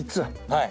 はい。